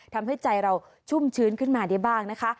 ทำให้ใจเราชุ่มชื้นขึ้นมาได้บ้างนะคะ